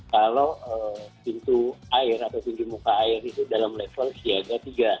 kalau pintu air atau tinggi muka air itu dalam level siaga tiga